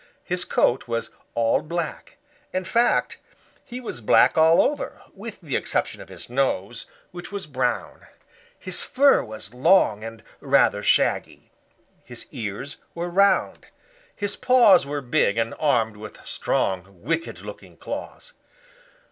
His coat was all black; in fact he was black all over, with the exception of his nose, which was brown. His fur was long and rather shaggy. His ears were round. His paws were big and armed with strong, wicked looking claws.